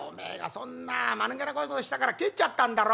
そんなまぬけなことをしたから帰っちゃったんだろ？」。